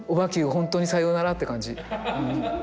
本当にさようならって感じ。